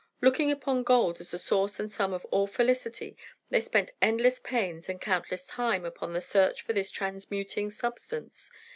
Looking upon gold as the source and sum of all felicity, they spent endless pains and countless time upon the search for this transmuting substance.